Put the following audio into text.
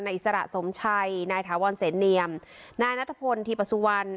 อิสระสมชัยนายถาวรเสนเนียมนายนัทพลทีปสุวรรณ